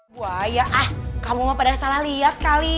bu aya ah kamu mah pada salah lihat kali